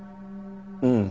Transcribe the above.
うん。